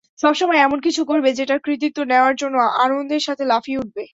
সবসময় এমন কিছু করবে যেটার কৃতিত্ব নেওয়ার জন্য আনন্দের সাথে লাফিয়ে উঠবে।